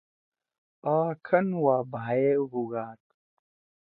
آ کھن وا بھائے ہُوگاد۔